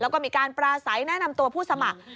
แล้วก็มีการปราศัยแนะนำตัวผู้สมัคร